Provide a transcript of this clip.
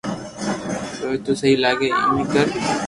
جويم ٿني سھي لاگي ايم اي ڪر